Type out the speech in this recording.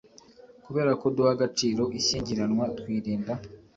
Kubera Ko Duha Agaciro Ishyingiranwa Twirinda